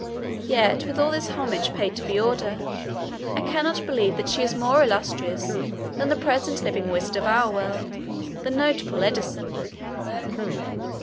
Yet with all this homage paid to Veorda, I cannot believe that she is more illustrious than the present living wizard of our world, the notable Edison.